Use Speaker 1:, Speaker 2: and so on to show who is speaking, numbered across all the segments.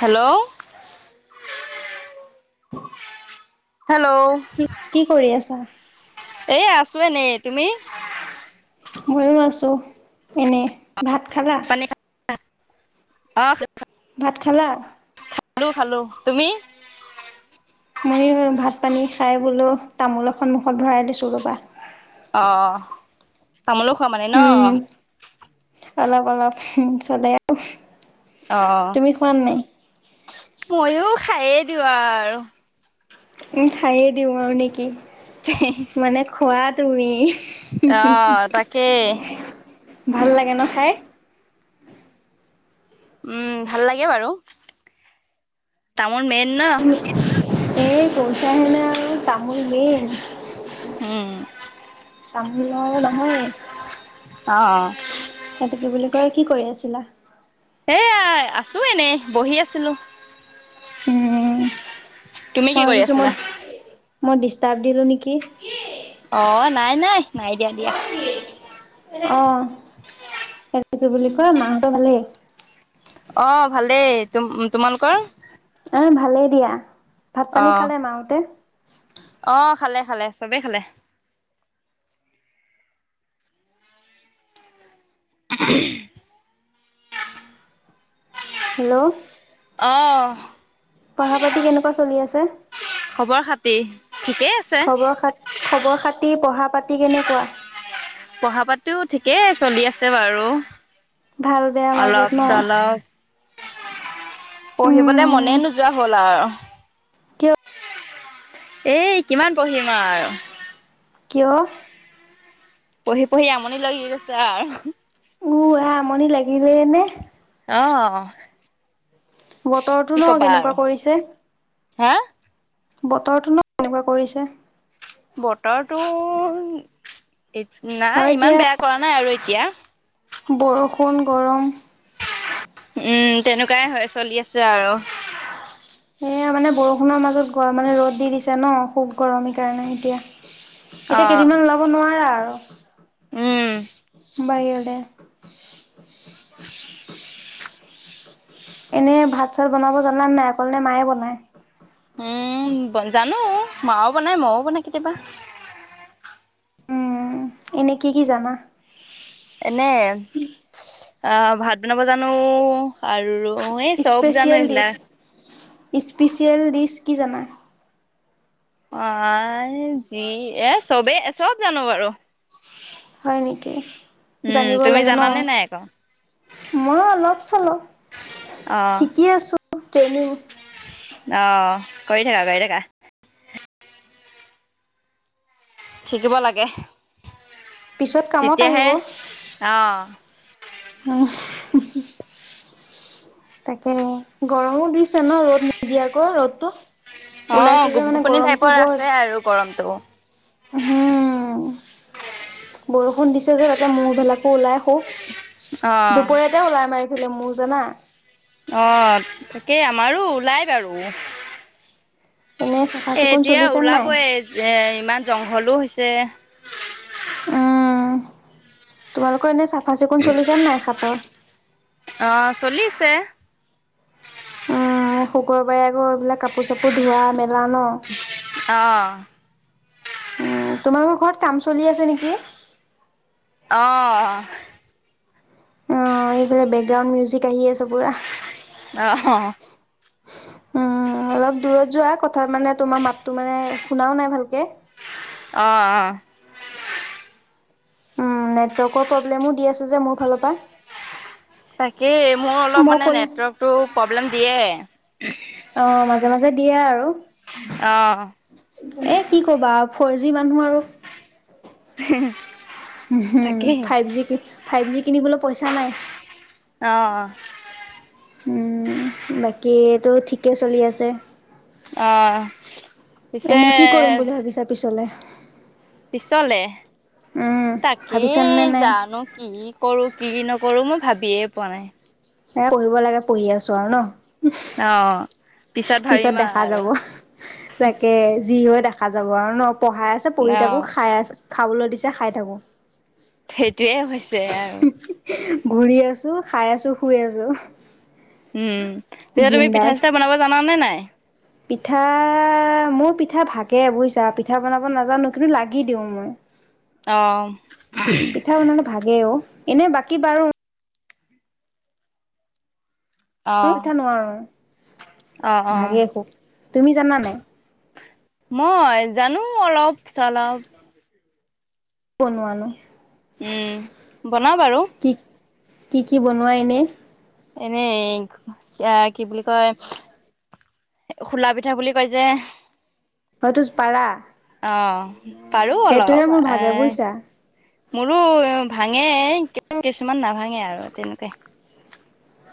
Speaker 1: Hello, [inaudible]
Speaker 2: কি -কি কৰি আছা?
Speaker 1: এ 'আছো এনেই তুমি?
Speaker 2: মইও আছোঁ এনে ভাত খালা?
Speaker 1: অহ',
Speaker 2: ভাত খালা?
Speaker 1: খালোঁ - খালোঁ তুমি?
Speaker 2: ময়ো ভাত -পানী খাই বোলো তামোল এখন মুখত ভৰাই দিছো ৰবা।
Speaker 1: অহ, তামোলো খোৱা মানে ন'?
Speaker 2: উম, অলপ- অলপ চলে আৰু
Speaker 1: অ
Speaker 2: তুমি খোৱো নে নাই?
Speaker 1: মইয়ো খায়ে দিওঁ আৰু।
Speaker 2: উম, খায়ে দিওঁ আৰু নেকি মানে খোৱা তুমি।
Speaker 1: অ তাকেই
Speaker 2: [unintelligible] ভাল লাগে ন' খাই?
Speaker 1: উম, ভাল লাগে বাৰু তামোল মে
Speaker 2: [unintelligible] এই পইচা আহে ন' আৰু তামুল দিম।
Speaker 1: উম
Speaker 2: [inaudible] তামুলৰ নহয়ে।
Speaker 1: অহ
Speaker 2: সেতু কি বুলি কয় কি কৰি আছিলা?
Speaker 1: এয়া আছো এনেই বহি আছিলো।
Speaker 2: উম,
Speaker 1: [inaudible] তুমি
Speaker 2: মই
Speaker 1: কি কৰি
Speaker 2: ভাবিছোঁ মই
Speaker 1: আছিলা?
Speaker 2: মই ডিষ্টাৰ্ব দিলোঁ নিকি?
Speaker 1: অহ, নাই- নাই -নাই দিয়া - দিয়া।
Speaker 2: অহ, হেটো কি বুলি কয় মাহতৰ ভালেই?
Speaker 1: অহ, ভালেই তুম - তোমালোকৰ?
Speaker 2: অ ভালেই দিয়া ভাত
Speaker 1: অ
Speaker 2: -পানী খালে মাহতে?
Speaker 1: অ খালে -খালে চবে খালে। [unintelligible]
Speaker 2: হেল্ল',
Speaker 1: অ
Speaker 2: পঢ়া -পাতি কেনেকুৱা চলি আছে?
Speaker 1: খবৰ খাতি ঠিকেই আছে
Speaker 2: [inaudible] খবৰ- খাটি পঢ়া -পাত টি কেনেকুৱা?
Speaker 1: পঢ়া-পাটিও ঠিকেই চলি আছে বাৰু।
Speaker 2: ভাল বেয়া মাজত
Speaker 1: অলপ-
Speaker 2: ন
Speaker 1: চলপ। পঢ়িবলে
Speaker 2: উম
Speaker 1: মনে নোযোৱা হ'ল আও।
Speaker 2: কিয়
Speaker 1: এ'কিমান পঢ়িম আৰু।
Speaker 2: কিয়?
Speaker 1: পঢ়ি- পঢ়ি আমনি লাগি গৈছে আৰ।
Speaker 2: উহ, ৰা আমনি লাগিলেই নে?
Speaker 1: অহ',
Speaker 2: বতৰতো
Speaker 1: কি
Speaker 2: ন'
Speaker 1: কবা
Speaker 2: কেনেকুৱা
Speaker 1: আৰু
Speaker 2: কৰিছে।
Speaker 1: হা
Speaker 2: বতৰটো ন'কেনেকুৱা কৰিছে।
Speaker 1: বতৰটো এত
Speaker 2: হয়
Speaker 1: নাই
Speaker 2: দিয়া।
Speaker 1: ইমান বেয়া কৰা নাই আৰু দিয়া।
Speaker 2: বৰষুণ, গৰম।
Speaker 1: উম, তেনেকুৱাই হয় চলি আছে আৰু।
Speaker 2: এয়া মানে বৰষুণৰ মাজত গৰম মানে ৰ'দ দি দিছে ন' খুব গৰম এইকাৰণে এতিয়া।
Speaker 1: অ
Speaker 2: এতিয়া কেইদিনমান ওলাব নোৱাৰা আৰু।
Speaker 1: উম
Speaker 2: বাহিৰলে এনে ভাত চাত বনাব জানা নাই নে অকলে মায়ে বনায়
Speaker 1: উম ব জানো মাও বনাই মইও বনাও কেতিয়াবা
Speaker 2: উম, এনে কি কি জানা
Speaker 1: এনে অ ভাত বনাব জানো আৰু অ এই চব জানো
Speaker 2: স্পেচিয়েল ডিছ
Speaker 1: এইবিলাক
Speaker 2: স্পেচিয়েল দিছ কি জানা
Speaker 1: আ যি এ চবেই চব জানো বাৰু
Speaker 2: হয় নেকি
Speaker 1: উম
Speaker 2: জানিব
Speaker 1: তুমি
Speaker 2: লাগে ন
Speaker 1: জানানে নাই আকৌ
Speaker 2: মই অলপ চলপ
Speaker 1: অ
Speaker 2: শিকি আছো ট্ৰেইনিং
Speaker 1: আহ কৰি থাকা কৰি থাকা শিকিব লাগে
Speaker 2: পিছত কামত আহিব
Speaker 1: তেতিয়াহে অ
Speaker 2: উম তাকে গৰমো দিছে ন ৰ'দ নিদিয়া আকৌ ৰ'দটো
Speaker 1: অ
Speaker 2: ওলাইছে যে
Speaker 1: গোপ
Speaker 2: মানে
Speaker 1: গোপনি টাইপৰ আছে আৰু গৰমটো
Speaker 2: হম বৰষুণ দিছে যে তাতে মৌ বিলাকো ওলাই খুপ
Speaker 1: অ
Speaker 2: দুপৰীয়াতে ওলাই আমাৰ এফালে মৌ জনা
Speaker 1: আহ তাকেই আমাৰো ওলাই বাৰু এ
Speaker 2: এনে চাফা চিকুণ
Speaker 1: এতিয়া
Speaker 2: চলিছে নাই?
Speaker 1: ওলাবই এ ইমান জংঘলো হৈছে
Speaker 2: উম, তোমালোকৰ এনে চাফা চিকুণ চলিচে নাই হাতৰ
Speaker 1: অ চলিছে
Speaker 2: উম শুকুৰবাৰে আকৌ এইবিলাক কাপোৰ চাপোৰ ধোৱা মেলা ন?
Speaker 1: আহ
Speaker 2: উম তোমালোকৰ ঘৰত কাম চলি আছে নেকি
Speaker 1: আহ
Speaker 2: অ এইফ বেকগ্ৰাউণ্ড মিউজিক আহি আছে পুৰা
Speaker 1: আহ
Speaker 2: উম উম অলপ দূৰত যোৱা কথা মানে তোমাৰ মাততো মানে শুনাও নাই ভালকে
Speaker 1: আহ আহ
Speaker 2: নেটৱৰ্কৰ প্ৰব্লেমো দি আছে যে মোৰ ফালৰ পৰা
Speaker 1: তাকেই মোৰ অলপ
Speaker 2: মই
Speaker 1: মানে
Speaker 2: ক'লে
Speaker 1: নেটৱৰ্কতটো প্ৰব্লেম দিয়ে
Speaker 2: অ', মাজে মাজে দিয়ে আৰু
Speaker 1: অ'।
Speaker 2: এ কি কবা ফৰ জি মানুহ আৰু হম
Speaker 1: তাকেই।
Speaker 2: ফাইভ জি কি ফাইভ জি কিনিবলৈ পইচা নাই
Speaker 1: আহ আহ
Speaker 2: উম বাকীটো ঠিকে চলি আছে
Speaker 1: অ', পিছে
Speaker 2: এনে কি কৰিম বুলি ভাবিছা পিছত
Speaker 1: পিছলে
Speaker 2: উম, ভাবিছানে
Speaker 1: তাকেই
Speaker 2: নাই?
Speaker 1: জানো কি কৰো কি নকৰো মই ভাবিয়ে পোৱা নাই
Speaker 2: এ পঢ়িব লাগে পঢ়ি আছো আৰু ন
Speaker 1: অ'।
Speaker 2: পিছত
Speaker 1: ভাবিম
Speaker 2: দেখা
Speaker 1: আৰু।
Speaker 2: যাব তাকে যি হয় দেখা যাব আৰু ন পঢ়াই আছে পঢ়ি থাকো
Speaker 1: অ'।
Speaker 2: খাই আ খাবলৈ দিছে খাই থাকো
Speaker 1: সেইটোয়ে হৈছে আৰু
Speaker 2: ঘূৰি আছোঁ খাই আছোঁ শুই আছোঁ
Speaker 1: উম পি তুমি পিঠা চিঠা বনাব জানা নে নাই
Speaker 2: পিঠা মোৰ পিঠা ভাগে বুজিছা পিঠা বনাব নাজানো কিন্তু লাগি দিওঁ মই
Speaker 1: অআ
Speaker 2: পিঠা বনালে ভাগেই অ, এনে বাকী বাৰু মোৰ
Speaker 1: অ',
Speaker 2: পিঠা নোৱাৰো,
Speaker 1: অ', অ'।
Speaker 2: ভাগেই খুব। তুমি জানা নাই?
Speaker 1: মই জানো অলপ-চলপ।
Speaker 2: বনোৱা নো?
Speaker 1: উম বনাও বাৰু।
Speaker 2: কি-কি বনোৱা এনে?
Speaker 1: এনেই আ, কি বুলি কয়? খোলা পিঠা বুলি কয় যে?
Speaker 2: হয়তো পাৰা
Speaker 1: অ', পাৰো
Speaker 2: সেইটোহে
Speaker 1: অলপ
Speaker 2: মোৰ ভাগে
Speaker 1: আহ,
Speaker 2: বুজিছা
Speaker 1: মোৰো ভাঙে কিছুমান নাভাঙে আৰু তেনেকুৱাই।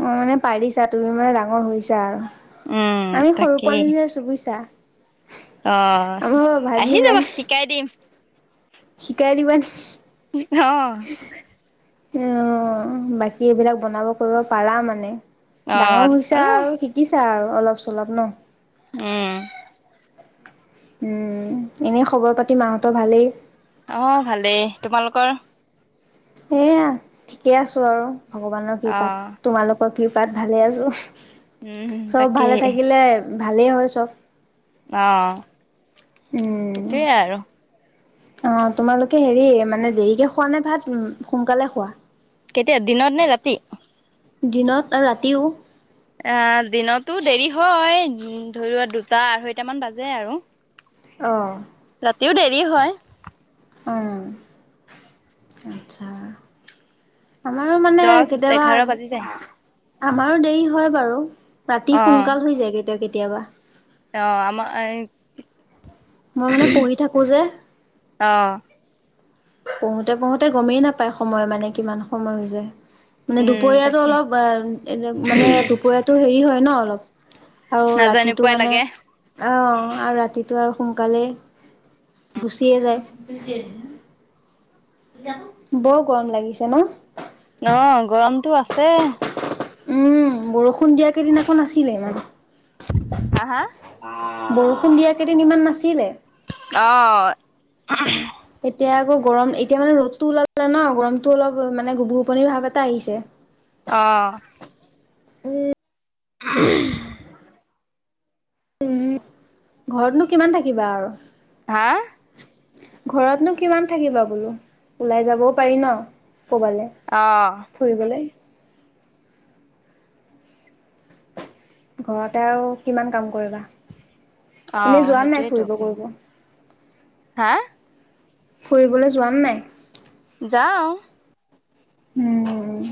Speaker 2: অ', মানে পাৰিছা তুমি মানে ডাঙৰ হৈছা আৰু।
Speaker 1: উম
Speaker 2: আমি সৰু
Speaker 1: তাকেই
Speaker 2: পোৱালি হৈ আছো বুজিছা?
Speaker 1: অ',
Speaker 2: আমাৰ ভাগি
Speaker 1: আহি
Speaker 2: যায়
Speaker 1: যাবা, শিকাই দিম।
Speaker 2: শিকাই দিবা
Speaker 1: অ
Speaker 2: নেকি? অ', বাকী এইবিলাক বনাব কৰিব পাৰা মানে?
Speaker 1: অ
Speaker 2: ডাঙৰ হৈছে
Speaker 1: পাৰো
Speaker 2: আৰু শিকিছা আৰু অলপ চলপ ন?
Speaker 1: উম'।
Speaker 2: উম', এনেই খবৰ পাতি মাহতৰ ভালেই?
Speaker 1: অ', ভালেই, তোমালোকৰ?
Speaker 2: এয়া ঠিকে আছো আৰু ভগৱানৰ
Speaker 1: অ
Speaker 2: কৃপাত, তোমালোকৰ কৃপাত ভালে আছো।
Speaker 1: উম
Speaker 2: চব
Speaker 1: তাকেই
Speaker 2: ভালে থাকিলে ভালেই হয় চব।
Speaker 1: অ', সেইটোৱে
Speaker 2: উম,
Speaker 1: আৰু।
Speaker 2: অ', তোমালোকে হেৰি মানে দেৰিকে খোৱা নে ভাত সোনকালে খোৱা?
Speaker 1: কেতিয়া, দিনৰ নে ৰাতি?
Speaker 2: দিনত আৰু ৰাতিও?
Speaker 1: অ, দিনত টো দেৰি হয় ধৰিৱা দুটা আঢ়ৈটামান বাজে আৰু।
Speaker 2: অ',
Speaker 1: তেও দেৰি হয়।
Speaker 2: অ', আচ্ছা। আমাৰো মানে
Speaker 1: দহ
Speaker 2: কেতিয়াবা
Speaker 1: এঘাৰ বাজি যায়
Speaker 2: আমাৰো দেৰি হয় বাৰু, ৰাতি
Speaker 1: অ',
Speaker 2: সোনকাল হৈ যায় কেতিয়া-কেতিয়াবা।
Speaker 1: অ', আমাৰ এই
Speaker 2: মই মানে পঢ়ি থাকো যে।
Speaker 1: অ',
Speaker 2: পঢ়োতে-পঢ়োতে গমেই নাপায় সময় মানে কিমান সময় হৈ যায়। মানে
Speaker 1: উম,
Speaker 2: দুপৰীয়াাতো
Speaker 1: তাকে
Speaker 2: অলপ মানে দুপৰীয়াাতো হেৰি হয় ন অলপ? আৰু
Speaker 1: নাজাই
Speaker 2: ৰাতিটো
Speaker 1: নোপোৱাই
Speaker 2: মানে,
Speaker 1: লাগে।
Speaker 2: অ', আৰু ৰাতিটো আৰু সোনকালেই গুচিয়ে যায়। বৰ গৰম লাগিছে ন?
Speaker 1: অ', গৰমটো আছে।
Speaker 2: উম', বৰষুণ দিয়া কেইদিনাখন আকৌ নাছিলে [unintelligible]
Speaker 1: আ-হা?
Speaker 2: বৰষুণ দিয়া কেইদিন ইমান নাছিলে।
Speaker 1: অ'। হ
Speaker 2: এতিয়া আকৌ গৰম এতিয়া মানে ৰ'দতটো ওলালে ন, গৰমতটো অলপ মানে গুবু গোপনিৰ ভাৱ এটা আহিছে।
Speaker 1: অ'।
Speaker 2: উম'।
Speaker 1: [unintelligible]
Speaker 2: ঘৰতনো কিমান থাকিবা আৰু?
Speaker 1: হা,
Speaker 2: ঘৰতনো কিমান থাকিবা বোলো, ওলাই যাবও পাৰি ন? ক'বালে
Speaker 1: অ',
Speaker 2: ফুৰিবলৈ? ঘৰতে আৰু কিমান কাম কৰিবা, এনেই
Speaker 1: অ',
Speaker 2: যোৱা নাই
Speaker 1: সেইটোয়েতো
Speaker 2: ফুৰিব-ফুৰিব?
Speaker 1: হা?
Speaker 2: ফুৰিবলৈ যোৱা নে নাই?
Speaker 1: যাওঁ।
Speaker 2: উম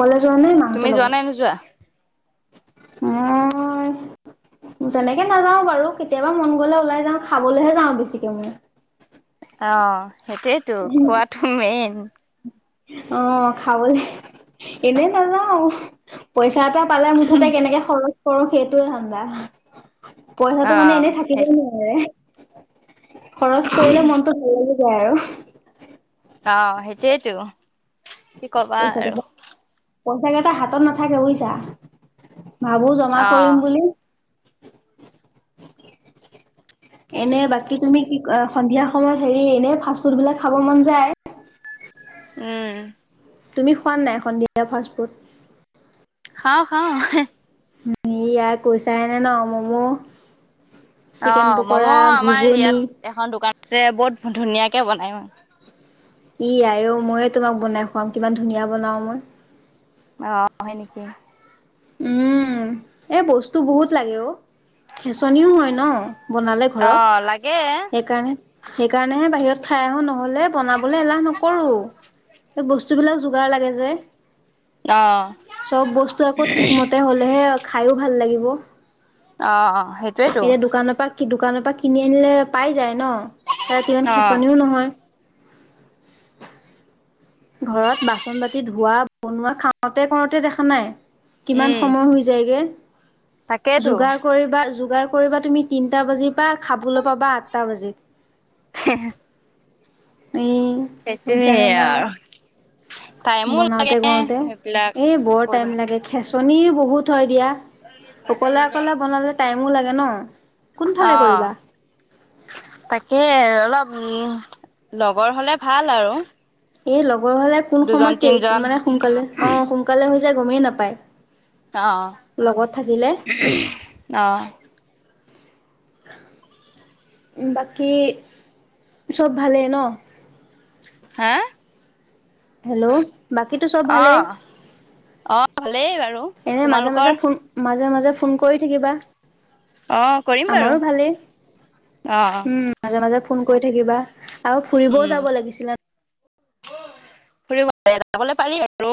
Speaker 2: কলেজ যোৱা নাই
Speaker 1: তুমি
Speaker 2: মাহঁতৰ
Speaker 1: যোৱা নাই নোযোৱা?
Speaker 2: লগত আহ তেনেকে নাযাও বাৰু। কেতিয়াবা মন গলে ওলাই যাওঁ, খাবলৈহে যাওঁ বেছিকে মই।
Speaker 1: অ সেইটোৱেইতো। খোৱাটো মেইন।
Speaker 2: অ খাবলৈ এনেই নাযাও। পইচ টো পালে মুঠতে কেনেকে খৰচ কৰো সেইটো ধান্ডা। পইচাটো মানে
Speaker 1: অ',
Speaker 2: এনেই
Speaker 1: সেই
Speaker 2: থাকিবই নোৱাৰে। খৰচ কৰিলে মনটো [unintelligible] লাগি যায় আৰু।
Speaker 1: অ সেইটোয়েইতো। কি কবা
Speaker 2: পইচা
Speaker 1: আৰু।
Speaker 2: কেইটা পইচা কেইটা হাতত নাথাকে বুজিছা। ভাবো জমা কৰিম
Speaker 1: অ',
Speaker 2: বুলি [inaudible] এনে বাকী তুমি কি সন্ধিয়া সময়ত হেৰি এনে ফাষ্ট ফুড বিলাক খাব মন যায়।
Speaker 1: উম।
Speaker 2: তুমি খোৱানে নাই সন্ধিয়া ফাষ্ট ফুড?
Speaker 1: খাওঁ, খাওঁ।
Speaker 2: সি ইয়াৰ কৈছাহেনে ন ম'মো
Speaker 1: অ মম' আমাৰ ইয়াত এখন দোকান আছে বহুত ধুনীয়া কে বনাই বা।
Speaker 2: ই আইও ময়ে তোমাক বনাই খুৱাম। কিমান ধুনীয়া বনাও মই।
Speaker 1: অ হয় নেকি?
Speaker 2: উম, এ বস্তু বহুত লাগে অ। খেচনিও হয় ন বনালে ঘৰত।
Speaker 1: অ', লাগে।
Speaker 2: সেইকাৰণে সেইকাৰণেহে বাহিৰত খাই আহো, নহলে বনাবলৈ এলাহ নকৰো। এই বস্তুবিলাক যোগাৰ লাগে যে।
Speaker 1: অ'।
Speaker 2: চব বস্তু আকৌ ঠিকমতে হলেহে খাইও ভাল লাগিব।
Speaker 1: অ, অ সেইটোৱেইটো।
Speaker 2: এতিয়া দোকানৰ পৰা দোকানৰ পৰা কিনি আনিলে পাই যায় ন? তাত ইমান
Speaker 1: অ',
Speaker 2: খেচনিও নহয়। ঘৰত বাচন বাতি ধোৱা, বনোৱা খাওঁতে কওঁতে দেখা নাই। কিমান
Speaker 1: উম।
Speaker 2: সময় হৈ যায়গে।
Speaker 1: তাকেতো।
Speaker 2: যোগাৰ কৰিবা, যোগাৰ কৰিবা তুমি তিনটা বাজি পা খাবলৈ পাবা আঠটা বাজি।
Speaker 1: হে হে।
Speaker 2: এই
Speaker 1: সেইটোৱে আও।
Speaker 2: বনাওতে কৰোতে,
Speaker 1: সেইবিলাক
Speaker 2: এ বৰ টাইম লাগে খেচনি বহুত হয়। দিয়া, অকলে অকলে বনালে টাইমো লাগে ন? কোনফালে
Speaker 1: অ
Speaker 2: কৰিবা
Speaker 1: তাকে অলপ উম, লগৰ হলে ভাল আৰু।
Speaker 2: এই লগৰ হলে কোন
Speaker 1: দুজন
Speaker 2: সময়ত
Speaker 1: তিনজন
Speaker 2: কেই মানে সোনকালে, অ সোনকালে হৈ জাই গমেই নাপায়।
Speaker 1: অহ,
Speaker 2: লগত থাকিলে
Speaker 1: অহ।
Speaker 2: [inaudible] বাকী, চব ভালেই ন?
Speaker 1: হা?
Speaker 2: হেল্ল'। বাকীতো চব ভালেই?
Speaker 1: অ', অ', ভালেই বাৰু
Speaker 2: এনে মাজে
Speaker 1: তোমালোকৰ?
Speaker 2: মাজে ফোন মাজে মাজে ফোন কৰি থাকিবা।
Speaker 1: অ', কৰিম বাৰু।
Speaker 2: আমাৰো ভালেই।
Speaker 1: অ',
Speaker 2: উম, মাজে মাজে ফোন কৰি থাকিবা আৰু ফুৰিবও
Speaker 1: উম।
Speaker 2: যাব লাগিছিলে।
Speaker 1: ফুৰিব যাবলে পাৰি আৰু।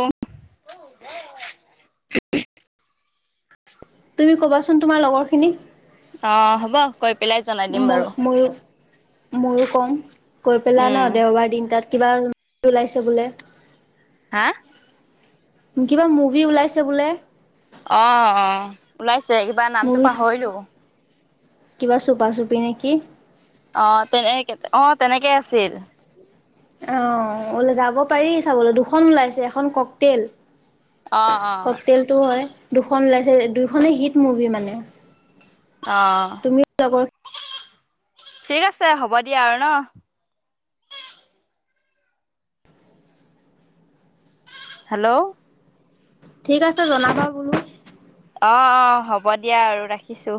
Speaker 2: তুমি কবাচোন তোমাৰ লগৰ খিনি?
Speaker 1: অঁ হব। কৈ পেলাই জনাই দিম
Speaker 2: মই,
Speaker 1: বাৰু।
Speaker 2: মোৰো, ময়ো কম। কৈ পেলা ন
Speaker 1: উম,
Speaker 2: দেওঁবাৰ দিন তাত কিবা ওলাইছে বোলে?
Speaker 1: হা?
Speaker 2: কিবা মুভি ওলাইছে বোলে।
Speaker 1: অঁ অঁ ওলাইছে কিবা নামটো
Speaker 2: মুভি
Speaker 1: পাহৰিলো।
Speaker 2: কিবা চোপা চুপি নেকি।
Speaker 1: অঁ তেনে কে, অঁ তেনেকে আছিল।
Speaker 2: অঁ বুলোঁ যাব পাৰি চাবলৈ, দুখন ওলাইছে এখন কক তেল।
Speaker 1: অ' অ'
Speaker 2: কক তেলটো হয়। দুখন ওলাইছে দুইখনে হিট মুভি মানে।
Speaker 1: অ'
Speaker 2: তুমিও লগৰ।
Speaker 1: ঠিক আছে হ'ব দিয়া আৰু ন। হেল্ল'।
Speaker 2: ঠিক আছে জনাবা বোলো।
Speaker 1: অঁ অঁ হ'ব দিয়া আৰু ৰাখিছো।